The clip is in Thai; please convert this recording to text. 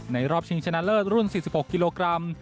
รอบชิงชนะเลิศรุ่น๔๖กิโลกรัม